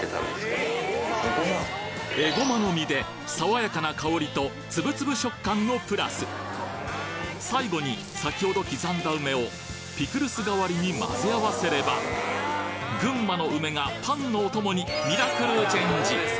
爽やかな香りと最後に先ほど刻んだ梅をピクルス代わりに混ぜ合わせれば群馬の梅がパンのお供にミラクルチェンジ！